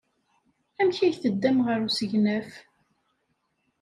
Amek ay teddam ɣer usegnaf?